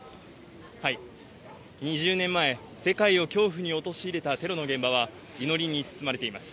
２０年前世界を恐怖に陥れたテロの現場は祈りに包まれています。